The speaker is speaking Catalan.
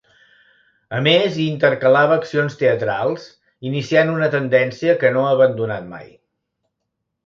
A més hi intercalava accions teatrals, iniciant una tendència que no ha abandonat mai.